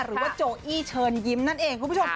โจอี้เชิญยิ้มนั่นเองคุณผู้ชม